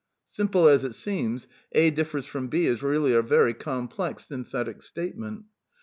Simple as it seems, " A differs from B " is really a very complex synthetic statement.